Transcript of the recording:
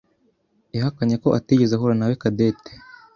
yahakanye ko atigeze ahura nawe Cadette.